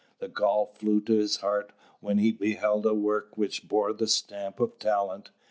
The gall flew to his heart when he beheld a work which bore the stamp of talent.